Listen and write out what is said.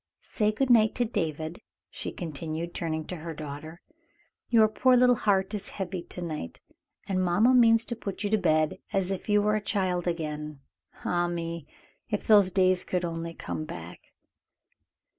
"Say good night to David," she continued, turning to her daughter. "Your poor little heart is heavy to night, and mamma means to put you to bed as if you were a child again. Ah! me, if those days could only come back!"